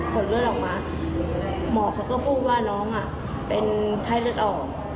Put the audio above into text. เลือดออกมาหมอเขาก็พูดว่าน้องเป็นไข้เลือดออก